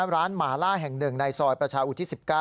ร้านหมาล่าแห่งหนึ่งในซอยประชาอุทธิ๑๙